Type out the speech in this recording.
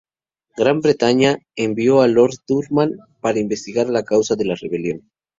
Gran Bretaña envió a Lord Durham para investigar la causa de la rebelión.